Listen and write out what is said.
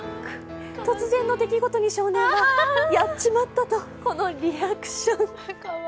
突然の出来事に少年はやっちまったと、このリアクション。